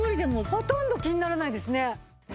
ほとんど気にならないですね。